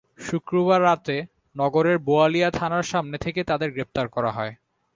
শুক্রবার রাতে নগরের বোয়ালিয়া থানার সামনে থেকে তাঁদের গ্রেপ্তার করা হয়।